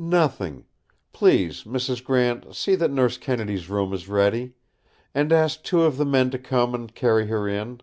"Nothing! Please, Mrs. Grant, see that Nurse Kennedy's room is ready; and ask two of the men to come and carry her in."